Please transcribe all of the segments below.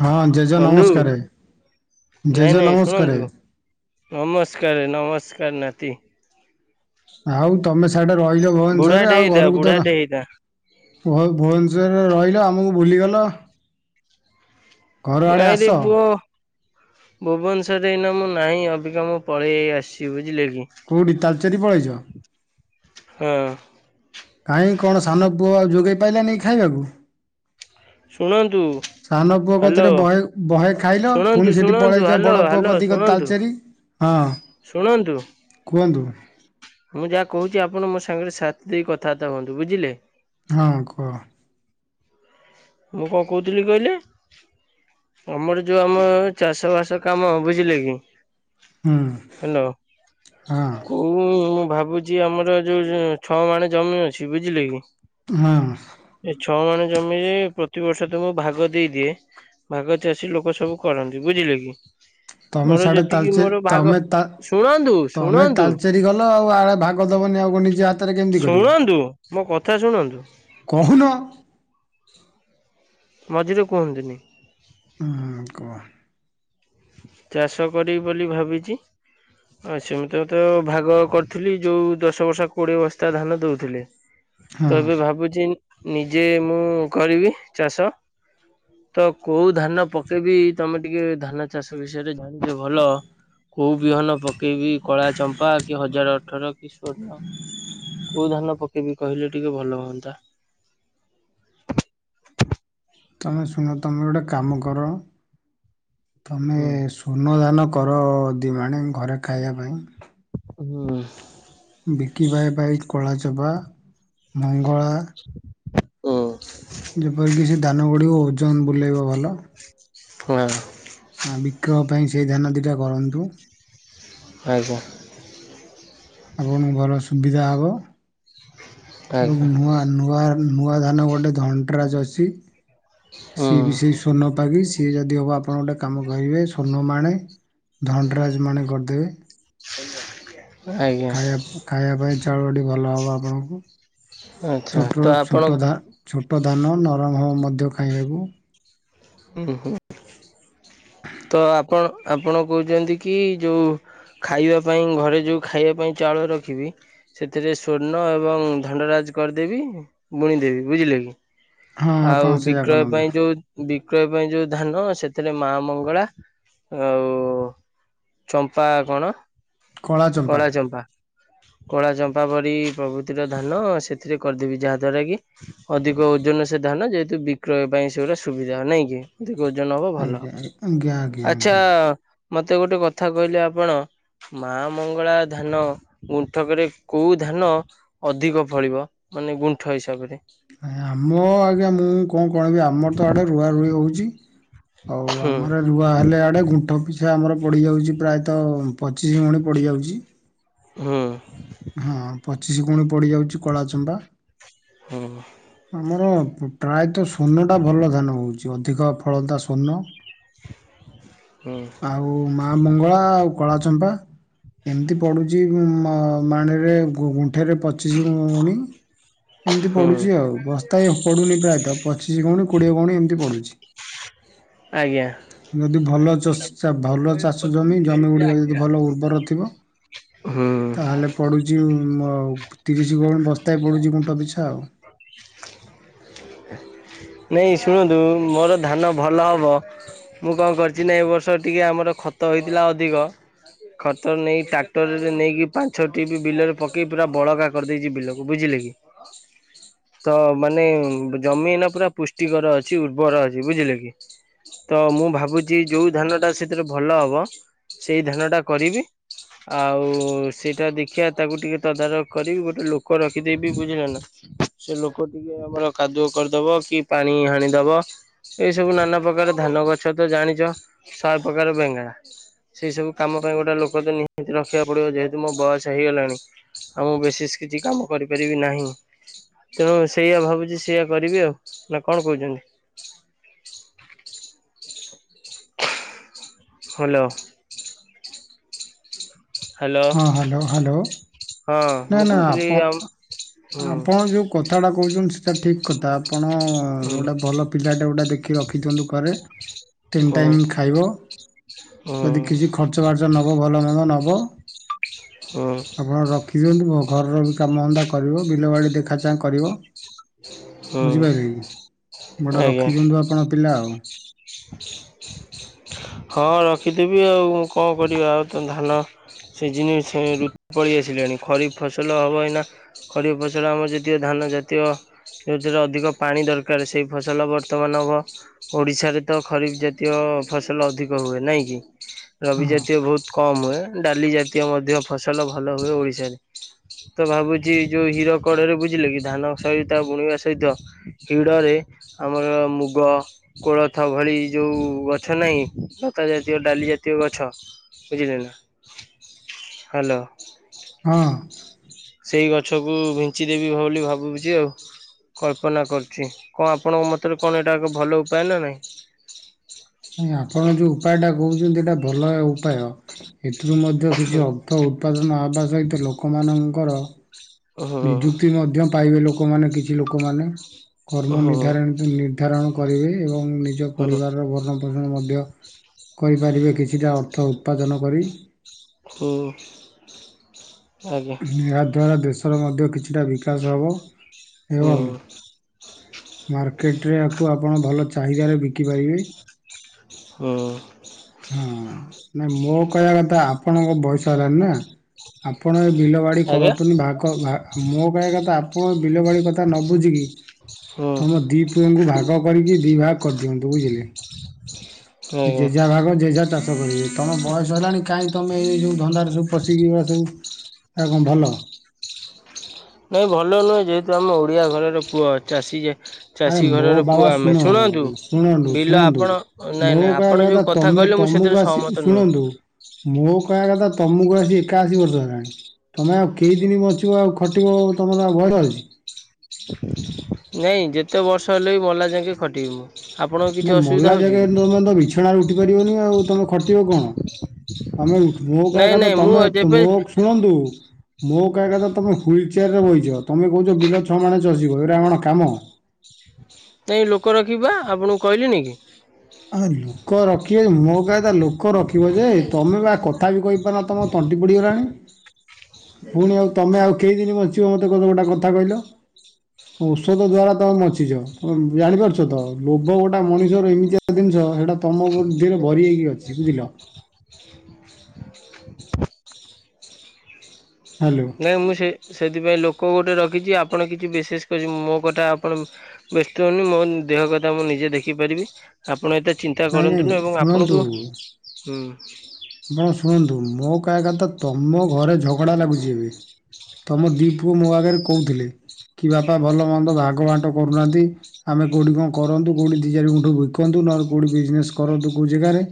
ହଁ ଜେଜ ବନ୍ଧୁ ନମସ୍କାରେ ଜେଜ ନାଇଁ ନାଇଁ ନମସ୍କାରେ ଶୁଣନ୍ତୁ। ନମସ୍କାର ନମସ୍କାର ନାତି। ଆଉ ତମେ ସେଆଡେ ରହିଯ ଭୁବନେଶ୍ଵର ରେ ବୁଢାଟେ ଆଉ ହେଇଥା ଘରକୁ ତ ବୁଢାଟେ ହେଇଥା ଭୁ ଭୁବନେଶ୍ୱରରେ ରହିଲ ଆମକୁ ଭୁଲିଗଲ। ଘର ଆଡ଼େ ଆସ ନାଇଁରେ ପୁଅ। ଭୁବନେଶ୍ୱରରେ ଏଇନା ମୁଁ ନାହିଁ ଅବିକା ମୁଁ ପଳେଇ ଆସିଚି ବୁଝିଲେ କି? କୋଉଠି ତାଲଚେରି ପଳେଇଛ? ହଁ। କାହିଁ କଣ ସାନ ପୁଅ ଯୋଗେଇ ପାଇଲାନି କି ଖାଇବାକୁ। ଶୁଣନ୍ତୁ ସାନ ପୁଅ ହ୍ୟାଲୋ କତିରେ ବହେ ବହେ ଖାଇଲ ଶୁଣନ୍ତୁ ପୁଣି ସେଠି ଶୁଣନ୍ତୁ ପଳେଇଚ ହ୍ୟାଲୋ ବଡ଼ ପୁଅ ହ୍ୟାଲୋ କତିକି ଶୁଣନ୍ତୁ। ତାଲଚେରି। ଶୁଣନ୍ତୁ? କୁହନ୍ତୁ? ମୁଁ ଯାହା କହୁଛି ଆପଣ ମୋ ସାଙ୍ଗରେ ସାଥ ଦେଇ କଥାବାର୍ତ୍ତା ହୁଅନ୍ତୁ ବୁଝିଲେ? ହଁ କୁହ? ମୁଁ କଣ କହୁଥିଲି କହିଲେ? ତମର ଯୋଉ ଆମ ଚାଷ ବାସ କାମ ବୁଝିଲେ କି? ହୁଁ। ହାଲୋ। ହଁ କୋଉ ମୁଁ ଭାବୁଛି ଆମର ଯୋଉ ଛଅ ମାଣେ ଜମି ଅଛି ବୁଝିଲେ କି? ହଁ। ଏ ଛଅ ମାଣ ଜମିରେ ପ୍ରତିବର୍ଷ ତୁମକୁ ଭାଗ ଦେଇଦିଏ। ଭାଗ ଚାଷୀ ଲୋକ ସବୁ କରନ୍ତି ବୁଝିଲେ କି? ତମେ ମୋର ସାଡେ ଯେତିକି ତାଲଚେ ମୋର ଭାଗ ତମେ ତା ଶୁଣନ୍ତୁ ତମେ ଶୁଣନ୍ତୁ ତାଲଚେରୀ ଗଲ ଆଉ ଆଡେ ଭାଗ ଦବନି ଆଉ କ ନିଜ ହାତରେ କେମି ଶୁଣନ୍ତୁ ମୋ କଥା ଶୁଣନ୍ତୁ? କହୁନ? [inaudible] ମଝିରେ କୁହନ୍ତିନି? ଉଁ କୁଅ। ଚାଷ କରିବି ବୋଲି ଭାବିଚି। ଆଁ ସେମତା ତ ଭାଗ କରିଥିଲି ଯୋଉ ଦଶ ବସ୍ତା କୋଡ଼ିଏ ବସ୍ତା ଧାନ ଦଉଥିଲେ। ହଁ ତ ଏବେ ଭାବୁଚି ନିଜେ ମୁଁ କରିବି ଚାଷ। ତ କୋଉ ଧାନ ପକେଇବି ତମେ ଟିକେ ଧାନ ଚାଷ ବିଷୟରେ ଜାଣିଛ ଭଲ। କୋଉ ବିହନ ପକେଇବି କଳା ଚମ୍ପା କି ହଜାର ଅଠର କି ସ୍ଵର୍ଣ୍ଣ। କୋଉ ଧାନ ପକେଇବି କହିଲେ ଟିକେ ଭଲ ହୁଅନ୍ତା। ତମେ ଶୁଣ ତମେ ଗୋଟେ କାମ କର ତମେ ହୁଁ। ସୁ ସ୍ଵର୍ଣଧାନ କର ଦି ମାଣେ ଘରେ ଖାଇବା ପାଇଁ। ହୁଁ। ବିକିବାଏ ପାଇଁ କଳାଚମପା ମଙ୍ଗଳା ହୁଁ। ଯେପରିକି ସେ ଧାନ ଗଡିବ ଓଜନ ବୁଲେଇବ ଭଲ। ଫୁଆଁ ହଁ ବିକ୍ରୟ ପାଇଁ ସେଇ ଧାନ ଦୁଇଟା କରନ୍ତୁ। ଆଉ କଣ? ଆପଣଙ୍କୁ ଭଲ ସୁବିଧା ହେବ ଏବଂ ଆଜ୍ଞା ନୂଆ ନୂଆ ନୂଆ ଧାନ ଗୋଟେ ଧନ୍ତାସ ଅଛି, ହୁଁ। ସିଏବି ସେଇ ସଵର୍ଣ୍ଣପାଗି ସିଏ ଯଦି ହେବ ଆପଣ ଗୋଟେ କାମ କରିବେ ସ୍ଵର୍ଣ୍ଣମାଣେ ଧନରାଜ ମାଣେ କରିଦେବେ। ସେଇ ଜ ଖାଇବା ଖାଇବା ପାଇଁ ଚାଉଳଟି ଭଲ ହବ ଆପଣଙ୍କୁ। ଆଚ୍ଛା ତ ଛୋଟ ଆପଣ ଛୋଟ ଧା ଛୋଟ ଧାନ ନରମ ହେବ ମଧ୍ୟ ଖାଇବାକୁ ହୁଁ ହୁଁ ତ ଆପଣ ଆପଣ କହୁଛନ୍ତି କି ଯୋଉ ଖାଇବା ପାଇଁ ଘରେ ଯେଉଁ ଖାଇବା ପାଇଁ ଚାଉଳ ରଖିବି ସେଥିରେ ସ୍ଵର୍ଣ୍ଣ ଏବଂ ଧଣ୍ଡରାଜ କରିଦେବି ବୁଣିଦେବି ବୁଝିଲେ କି ହଁ ଆପଣ ଆଉ ସେଇଆ ବିକ୍ରୟ କରନ୍ତୁ ପାଇଁ ଯୋଉ ବିକ୍ରୟ ପାଇଁ ଯୋଉ ଧାନ ସେଥିରେ ମା ମଙ୍ଗ ବଗଳା ଆଉ ଚମ୍ପା କଣ? କଳା ଚମ୍ପା। କଳା ଚମ୍ପା ପରି ପ୍ରଭୃତିର ଧାନ ସେଥିରେ କରିଦେବି ଯାହା ଦ୍ଵାରା କି ଅଧିକ ଓଜନ ସେ ଧାନ ଯେହେତୁ ବିକ୍ରୟ ପାଇଁ ସେଗୁଡ଼ା ସୁବିଧା ନାହିଁ କି ଦି ଓଜନ ହବ ଭଲ ଆଜ୍ଞା ଆଜ୍ଞା ଆଜ୍ଞା ହବ ଆଚ୍ଛା ଆଜ୍ଞା ମତେ ଗୋଟେ କଥା କହିଲେ ଆପଣ ମା ମଙ୍ଗଳା ଧାନ ଗୁଣ୍ଠକରେ କୋଉ ଧାନ ଅଧିକ ଫଳିବ ମାନେ ଗୁଣ୍ଠ ହିସାବରେ ଆ ଆମ ମୋ ଆଜ୍ଞା ମୁଁ କଣ କହିବିି ଆମର ତ ଆଡ଼େ ରୁଆ ରୁହି ହେଉଛି ଆଉ ହୁଁ ଆମର ରୁଆ ହେଲେ ଆଡ଼େ ଗୁଣ୍ଠ ପିଛା ଆମର ପଡ଼ିଯାଉଛି ପ୍ରାୟତଃ ପଚିଶି ଗୁଣି ପଡ଼ିଯାଉଛି। ହୁଁ। ହଁ ପଚିଶ ଗୁଣି ପଡ଼ିଯାଉଛି କଳା ଚମ୍ବା। ହୁଁ। ଆମର ପ୍ରାୟତଃ ସ୍ଵର୍ଣ୍ଣଟା ଭଲ ଧାନ ହଉଛି ଅଧିକ ଫଳନ୍ତା ସ୍ଵର୍ଣ୍ଣ ହୁଁ। ଓଉ ମା ମଙ୍ଗଳା ଆଉ କଳାଚମ୍ପା। ଏମିତି ପଡୁଛି ମାଣିରେ ଗୁଣ୍ଠରେ ପ ପଚିଶି ଗଉଣି ଏମିତି ହୁଁ ପଡ଼ୁଛି ଆଉ। ବସ୍ତା ପଡୁନି ପ୍ରାୟତଃ ପଚିଶ ଗଉନି କୋଡିଏ ଗୌନି ଏମିତି ପଡୁଛି। ଆଜ୍ଞା। ଯଦି ଭଲ ଚ ଭଲ ଚାଷ ଜମି ଜମି ଗୁଡ଼ିକ ଯଦି ଭଲ ଉର୍ବର ଥିବ। ହୁଁ ତାହେଲେ ପଡୁଛି ପ ତିରିଶ ଗୁଣ ବସ୍ତାଏ ପଡୁଛି ଗୁଣ୍ଟ ପିଛା ଆଉ। [inaudible] ନାଇ ଶୁଣନ୍ତୁ ମୋର ଧାନ ଭଲ ହବ ମୁଁ କଣ କରିଛି ନା ଏ ବର୍ଷ ଟିକେ ଆମର ଖତ ହେଇଥିଲା ଅଧିକ ଖତ ନେଇ ଟା ଟରରେ ନେଇକି ପାଛଟି ବି ବିଲରେ ପକେଇ ପୁରା ବଳକା କରିଦେଇଛି ବିଲକୁ ବୁଝିଲେ କି ତ ମାନେ ଜମି ଏଇନା ପୁରା ପୁଷ୍ଟିକର ଅଛି ଉର୍ବର ଅଛି ବୁଝିଲେ କି। ତ ମୁଁ ଭାବୁଛି ଯେଉଁ ଧାନଟା ସେଥିରେ ଭଲ ହେବ ସେଇ ଧାନଟା କରିବି। ଆଉ ସେଇଟା ଦେଖିବା ତାକୁ ଟିକେ ତଦାରଖ କରି ଗୋଟେ ଲୋକ ରଖିଦେଇବି ବୁଝିଲ ନା। ସେ ଲୋକ ଟିକେ ଆମର କାଦୁଅ କରିଦବ କି ପାଣି ହାଣିଦବ ଏଇ ସବୁ ନାନା ପ୍ରକାର ଧାନ ଗଛ ତ ଜାଣିଛ ସ ପ୍ରକାର ବେଙ୍ଗେରା ସେଇ ସବୁ କାମ ପାଇଁ ଗୋଟେ ଲୋକ ତ ନିହାତି ରଖିବାକୁ ପଡିବ ଯେହେତୁ ମୋ ବୟସ ହେଇଗଲାଣି ଆଉ ମୁଁ ବେଶି କିଛି କାମ କରିପାରିବି ନାହିଁ। ତେଣୁ ସେଇଆ ଭାବୁଛି ସେଇଆ କରିବି ଆଉ, ନା କଣ କହୁଚନ୍ତି? ହାଲୋ। ହ୍ୟାଲୋ। ହଁ ହାଲୋ-ହାଲୋ ହଁ ମୁଁ ନା-ନା କହୁଥିଲି ଆମ୍ ହୁଁ ଆପଣ-ଆପଣ ଯୋଉ କଥାଟା କହୁଚନ୍ତି ସେଇଟା ଠିକ୍ କଥା, ଆପଣ ହୁଁ ଗୋଟେ ଭଲ ପିଲାଟା ଗୋଟା ଦେଖି ରଖିଦିଅନ୍ତୁ ଘରେ। ତିନି ହୁଁ ଟାଇମ୍ ଖାଇବ, ହୁଁ ଯଦି କିଛି ଖର୍ଚ୍ଚ ବାର୍ଚ ନବ ଭଲ ମନ୍ଦ ନବ। ହୁଁ। ଆପଣ ରଖି ଦିଅନ୍ତୁ, ଘରର ବି କାମଧନ୍ଦା କରିବ ବିଲ ବାଡ଼ି ଦେଖା ଚାନ୍ହା କରିବ। ହୁଁ ବୁଝିପାରିଲେ କି ଗୋଟେ ରଖିଦିଅନ୍ତୁ ଆପଣ ପିଲା ଆଉ। ହ ହଁ ରଖିଦେବି ଆଉ କଣ କରିବା ଆଉ ତ ଧାନ ସିଜିନି [unintelligible] ପଳେଇ ଆସିଲାଣି ଖରିଫ୍ ଫସଲ ହବ ଏଇନା। ଖରିଫ୍ ଫସଲ ଆମର ଯେତିକ ଧାନ ଜାତୀୟ ଯେଉଁଥିରେ ଅଧିକ ପାଣି ଦରକାର୍ ସେଇ ଫସଲ ବର୍ତ୍ତମାନ୍ ହବ। ଓଡ଼ିଶାରେ ତ ଖରିଫ୍ ଜାତୀୟ ଫସଲ ଅଧିକ ହୁଏ ନାଇଁକି ରବି ହଁ ଜାତୀୟ ବହୁତ୍ କମ୍ ହୁଏ, ଡାଲି ଜାତୀୟ ମଧ୍ୟ ଫସଲ ଭଲ ହୁଏ ଓଡ଼ିଶାରେ। ତ ଭାବୁଚି ଯୋଉ ହୀର କଡରେ ବୁଝିଲେ କି ଧାନ [unintelligible] ବୁଣିବା ସହିତ ହିଡ଼ରେ ଆମର ମୁଗ କୋଳଥ ଭଳି ଯୋଉ ଗଛ ଗଛ ନାହିଁ ଲତା ଜାତୀୟ ଡାଲି ଜାତୀୟ ଗଛ ବୁଝିଲେନା। ହାଲୋ। ହଁ। ସେଇ ଗଛକୁ ବିଞ୍ଚି ଦେବି ବୋଲି ଭାବୁଚି ଆଉ। କଳ୍ପନା କରୁଛି, କଣ ଆପଣଙ୍କ ମତରେ କଣ ଏଇଟା ଏକ ଭଲ ଉପାୟ ନା ନାଇଁ? ନାଇଁ ଆପଣ ଯୋଉ ଉପାୟଟା କହୁଛନ୍ତି ଏଇଟା ଭଲ ଉପାୟ, ଏଥିରୁ ମଧ୍ୟ କିଛି ଅ ହୁଁ ର୍ଥ ଉତ୍ପାଦନ ହବା ସହିତ ଲୋକମାନଙ୍କର ନିଯୁକ୍ତି ମଧ୍ୟ ପାଇବେ ଲୋକମାନେ କିଛି ଲୋକମାନେ, କର୍ମ ହୁଁ ନିର୍ଦ୍ଧାରଣ ନିର୍ଦ୍ଧାରଣ କରିବେ ଏବଂ ନିଜ ହୁଁ ପରିବାରର ଭରଣ ପୋଷଣ ମଧ୍ୟ କରିପାରିବେ କିଛିଟା ଅର୍ଥ ଉତ୍ପାଦନ କରି। ହୋ। ଏହାଦ୍ୱାରା ଦେଶର ମଧ୍ୟ କିଛିଟା ବିକାଶ ହବ। ହଁ। ମାର୍କେଟରେ ଆକୁ ଆପଣ ଭଲ ଚାହିଦାରେ ବିକିପାରିବେ। ହଁ। ହଁ ନାଇଁ ମୋ କହିବା କଥା ଆପଣଙ୍କ ବୟସ ହେଲାଣି ନା? ଆପଣ ଏ ବିଲ ବାଡ଼ି ଆଜ୍ଞା କରତୁନି ଭଗ ମୋ କହଆ କଥା ଆପଣ ବିଲ ବାଡ଼ି କଥା ନ ବୁଝିକି ହୁଁ ତୁମ ଦି ପୁଅଙ୍କୁ ଭାଗ କରିକି ଦି ଭାଗ କରିଦିଅନ୍ତୁ ବୁଝିଲେ। ହଁ ବା। ଯେଝା ଭାଗ ଯେଝା ଚାଷ କରିବେ, ତମ ବୟସ ହେଲାଣି କାଇଁ ତମେ ଏଇ ଯୋଉ ଧନ୍ଦାରେ ସବୁ ପଶିକି ଏଇଗୁରା ସବୁ [unintelligible] ଭଲ? ନାଇଁ ଭଲ ନୁହେଁ, ଯେହେତୁ ଆମ ଓଡ଼ିଆ ଘରର ପୁଅ ଚାଷୀ ଯେ ଆରେ ଚାଷୀ ମୋ ଘରର ବାବା ପୁଅ ଆମେ ଶୁଣ ଶୁଣନ୍ତୁ ବିଲ ଶୁଣନ୍ତୁ-ଶୁଣନ୍ତୁ ଆପଣ ନାଇଁ ମୋ ନାଇଁ କହଆ ଆପଣ ଯୋଉ କଥା ତମେ କହିଲେ ମୁଁ ସେଥିରେ ତମୁକୁ ଆସି ସହମତ ନୁହେଁ। ଶୁଣନ୍ତୁ ମୋ କହିଆ କଥା ତମୁଁକୁ ଆସି ଏକାଅଶୀ ବର୍ଷ ହେଲାଣି। ତମେ ଆଉ କେଇଦିନି ବଞ୍ଚିବ ଆଉ ଖଟିବ ତମର ଆଉ ବୟସ ଅଛି? ନାଇଁ ଯେତେ ବର୍ଷ ହେଲେ ବି ମଲା ଯାଙ୍କେ ଖଟିବି ମୁଁ। ଆପଣଙ୍କ ନା କିଛି ମଲା ଅସୁବିଧା ହେଉଛି କି? [unintelligible] ବିଛଣାରୁ ଉଠି ପାରିବନି ଆଉ ତମେ ଖଟିବ କଣ ତମେ ମୋ କହିଆ ନାଇଁ କଥା ନାଇଁ ମୁଁ ତମେ ଯେବେ ମୋ ଶୁଣନ୍ତୁ ମୋ କାହିଆ କଥା ତମେ ହ୍ୱିଲ ଚେୟାର ରେ ବଇଚ, ତମେ କହୁଛ ବିଲ ଛଅ ମାଣେ ଚସିବ ଏଇଗୁରା କଣ କାମ? ନାଇଁ ଲୋକ ରଖିବା ଆପଣଙ୍କୁ କହିଲିନି କି? ଆ ଲୋକ ରଖିବେ ମୋ କହିବା କଥା ଲୋକ ରଖିବ ଯେ ତମେ ପା କଥା ବି କହିପାରନ ତମ ତଣ୍ଟି ପୋଡ଼ିଗଲାଣି। ପୁଣି ଆଉ ତମେ ଆଉ କେଇଦିନ ବଞ୍ଚିବ ମତେ ଗୋଟେ କଥା କହିଲ? ଔଷଧ ଦ୍ଵାରା ତମେ ବଞ୍ଚିଛ ତମେ ଜାଣିପାରୁଛ ତ ଲୋଭ ଗୋଟେ ମଣିଷର ଏମିତିଆ ଜିନିଷ ହେଟା ତମ ବୁଦ୍ଧି ରେ ଭରି ହେଇକି ଅଛି ବୁଝିଲ। ହ୍ୟାଲୋ ନାଇଁ ମୁଁ ସେ ସେଥିପାଇଁ ଲୋକ ଗୋଟେ ରଖିଛି ଆପଣ କିଛି ବିଶେଷ କରି ମୋ କଥା ଆପଣ ବ୍ୟସ୍ତ ହୁହନି ମୋ ଦେହ କଥା ମୁଁ ନିଜେ ଦେଖିପାରିବି। ଆପଣ ଏତେ ଚିନ୍ତା ନାଇଁ ନାଇଁ କରନ୍ତୁନି ଏବଂ ଶୁଣନ୍ତୁ ଆପଣଙ୍କୁ ହୁଁ। ଆପଣ ଶୁଣନ୍ତୁ ମୋ କାହିବା କଥା ତମ ଘରେ ଝଗଡ଼ା ଲାଗୁଛି ଏବେ। ତମ ଦି ପୁଅ ମୋ ଆଗରେ କହୁଥିଲେ କି ବାପା ଭଲ ମନ୍ଦ ଭାଗ ବାଣ୍ଟ କରୁନାହାନ୍ତି। ଆମେ କୋଉଠି କଣ କରନ୍ତୁ କଉଠି ଦିା ଚାରି ଗୁଣ୍ଠୁ ବିକନ୍ତୁ ନହେଲେ କୋଉଠି ବିଜନେସ କରନ୍ତୁ କୋଉ ଜେଗାରେ।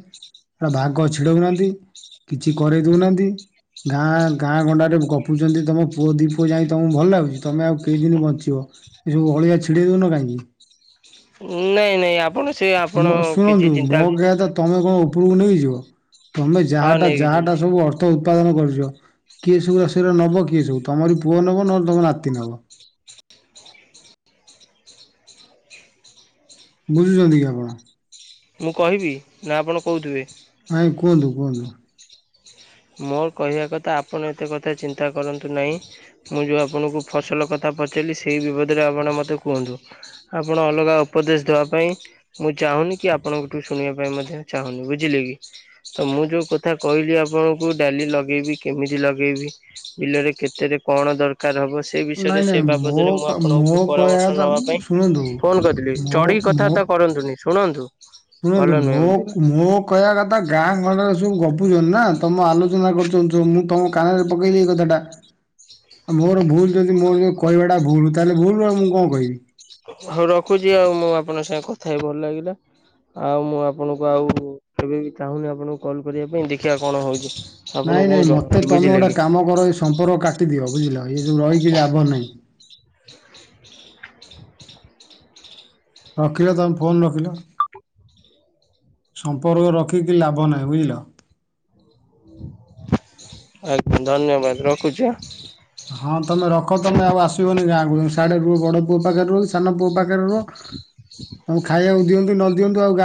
ଭାଗ ଛିଡଉନାହାନ୍ତି କିଛି କରେଇ ଦଉନାହାନ୍ତି। ଗାଁ ଗାଁ ଗଣ୍ଡାରେ ଗପୁଛନ୍ତି ତମ ପୁଅ ଦିଇ ପୁଅ ଯାଇ ତମକୁ ଭଲ ଲାଗୁଛି ତମେ ଆଉ କେଇଦିନ ବଞ୍ଚିବ। ଏସବୁ ଅଳିଆ ଛିଡେଇ ଦଉନ କାହିଁକି? ନାଇଁ ନାଇଁ ଆପଣ ସେ ଆପଣ ମୋ କିଛି ଶୁଣନ୍ତୁ ମୋ ଚିନ୍ତା କହିବା କଥା ତମେ କଣ ଉପରକୁ ନେଇକିଯିବ ତମେ ହଁ ଯାହାଟା ନେଇକି ଯିବି ଯାହାଟା ସବୁ ଅ ର୍ଥ ଉତ୍ପାଦନ କରିଛ କିଏ ସବୁରା ସେରା ନବ କିଏ ସବୁ ତମରି ପୁଅ ନବ ନହେଲେ ତମ ନାତି ନବ। ବୁଝୁଛନ୍ତି କି ଆପଣ? ମୁଁ କହିବି ନା ଆପଣ କହୁଥିବେ? ଆାଇଁ କୁହନ୍ତୁ କୁହନ୍ତୁ। ମୋର କହିବା କଥା ଆପଣ ଏତେ କଥା ଚିନ୍ତା କରନ୍ତୁ ନାହିଁ। ମୁଁ ଯୋଉ ଆପଣଙ୍କୁ ଫସଲ କଥା ପଚାରିଲି ସେଇ ବିବଦରେ ଆପଣ ମୋତେ କୁହନ୍ତୁ। ଆପଣ ଅଲଗା ଉପଦେଶ ଦେବା ପାଇଁ ମୁଁ ଚାହୁଁନି କି ଆପଣଙ୍କ ଠୁ ଶୁଣିବା ପାଇଁ ମଧ୍ୟ ଚାହୁଁନି ବୁଝିଲେ କି? ତ ମୁଁ ଯୋଉ କଥା କହିଲି ଆପଣ କୋଉ ଡାଲି ଲଗେଇବି କେମିତି ଲଗେଇବି ବିଲରେ କେତେରେ କଣ ଦରକାର ହବ ସେ ବିଷୟରେ ନାଇଁ ସେ ନାଇଁ ମୋ ବାବଦରେ ମୁଁ କ- ମୋ ଆପଣଙ୍କୁଠୁ କହିବା ପରାମର୍ଶ କଥା ନେବା ପାଇଁ ଶୁଣନ୍ତୁ ଫୋନ କରିଥିଲି ମୋ ଚଢ଼ିକି ମୋ କଥାବାର୍ତ୍ତା କରନ୍ତୁନି। ଶୁଣନ୍ତୁ। ଶୁଣନ୍ତୁ ଭଲ ନୁହେଁ ଏମିତି। ମୁଁକ୍ ମୁଁକ୍ କହିବା କଥା ଗାଁ ଗଣ୍ଡରେ ସବୁ ଗପୁଛଛନ୍ତି ନା ତମ ଆଲୋଚନା କରୁଛନ୍ତି ସବୁ ମୁଁ ତମ କାନରେ ପକେଇଲି ଏଇ କଥାଟା। ହ [unintelligible] ଆ ମୋର ଭୁଲ ଯଦି ମୋର କହିବାଟା ଭୁଲ ତାହେଲେ ଭୁଲ ଆଉ ମୁଁ କଣ କହିବି। ହଉ ରଖୁଛି ଆଉ ମୁଁ ଆପଣଙ୍କ ସାଙ୍ଗେ କଥା ହେଇ ଭଲ ଲାଗିଲା। ଆଉ ମୁଁ ଆପଣଙ୍କୁ ଆଉ କେବେ ବି ଚାହୁଁନି ଆପଣଙ୍କୁ କଲ କରିବା ପାଇଁ ଦେଖିବା କଣ ହଉଛି। ନାଇଁ ଆପଣଙ୍କୁ ମୁଁ ନାଇଁ ମତେ ଜଣେଇବି ତମେ ବୁଝିଲେ ଗୋଟେ କି କାମ କର ଏ ସମ୍ପର୍କ କାଟିଦିଅ ବୁଝିଲ ଇଏ ଯୋଉ ରହିକି ଲାଭ ନାହିଁ। ରଖିଲ ତମ ଫୋନ୍ ରଖିଲ। ସମ୍ପର୍କ ରଖିକି ଲାଭ ନାହିଁ ବୁଝିଲ। ଆଜ୍ଞା ଧନ୍ୟବାଦ ରଖୁଛି ହାଁ। ହଁ ତମେ ରଖ ତମେ ଆଉ ଆସିବନି ଗାଁକୁ ସାଢେ ରୁହ ବଡ ପୁଅ ପାଖରେ ରୁହ କି ସାନ ପୁଅ ପାଖରେ ରୁହ। [unintelligible] ତମକୁ ଖାଇବାକୁ ଦିଅନ୍ତୁ କି ନ ଦିଅନ୍ତୁ ଆଉ ଗାଁ